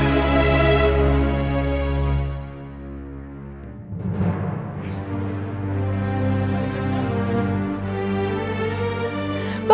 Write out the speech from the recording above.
bapak jika sengketa